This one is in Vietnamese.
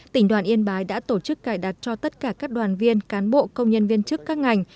tỉnh đoàn yên bái đã tổ chức cài đặt cho tất cả các đoàn viên cán bộ công nhân viên chức các ngành